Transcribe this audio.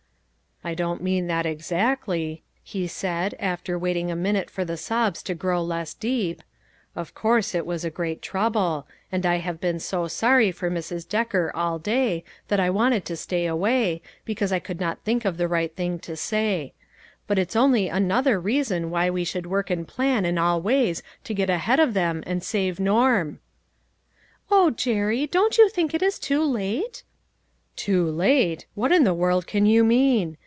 ," I don't mean that, exactly," Jerry said, after waiting a minute for the sobs to grow less deep, " of course it was a great trouble, and I have been so sorry for Mrs. Decker all day that I wanted to stay away, because I could not think of the right thing to say ; but it's only another 496 LITTLE FISHERS: AND THEIR NETS. reason why we should work and plan in all ways to get ahead of them and save Norm." " O Jerry ! don't you think it is too late? "" Too late ! What in the world can you mean?